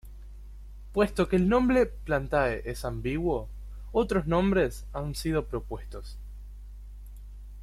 Puesto que el nombre Plantae es ambiguo, otros nombres han sido propuestos.